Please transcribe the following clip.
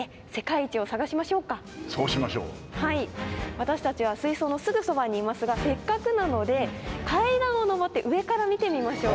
私たちは水槽のすぐそばにいますがせっかくなので階段を上って上から見てみましょう。